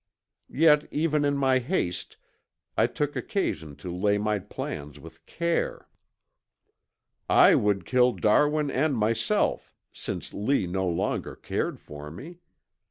Yet even in my haste I took occasion to lay my plans with care. I would kill Darwin and myself since Lee no longer cared for me.